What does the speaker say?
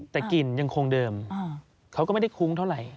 แต่กลิ่นยังคงเดิมเขาก็ไม่ได้คุ้งเท่าไหร่